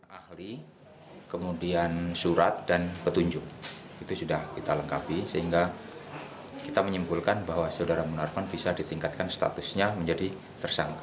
ahli kemudian surat dan petunjuk itu sudah kita lengkapi sehingga kita menyimpulkan bahwa saudara munarman bisa ditingkatkan statusnya menjadi tersangka